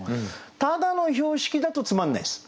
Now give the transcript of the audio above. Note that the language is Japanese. ただの標識だとつまんないです。